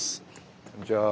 こんにちは。